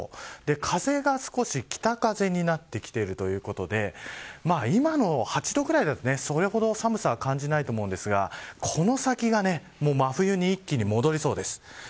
風が少し北風になってきているということで今の８度ぐらいだとそれほど寒さは感じないと思うんですがこの先が真冬に一気に戻りそうです。